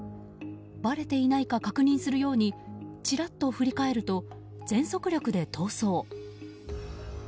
ばれていないか確認するようにちらっと振り返ると全速力で逃走。